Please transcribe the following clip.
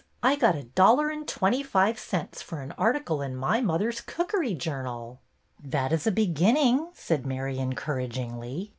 I got a dollar and twenty five cents for an article in My Mother's Cookery Journal." '' That is a beginning," said Mary, encourag ingly.